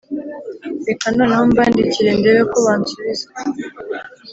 Reka noneho mbandikire ndebe ko bansubiza